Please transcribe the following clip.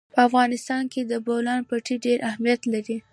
په افغانستان کې د بولان پټي ډېر اهمیت لري.